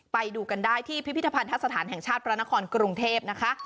ไปดูกันได้ที่พิพิธภัณฑสถานแห่งชาติพระนครกรุงเทพนะคะ